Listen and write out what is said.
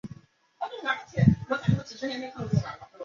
随后该党将党名改为乌克兰绿党。